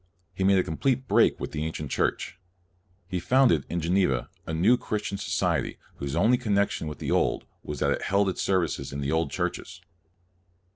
He made a complete break with the Ancient Church. He founded, in Geneva, a new Christian society whose only connection with the 1 1 4 CALVIN old was that it held its services in the old churches.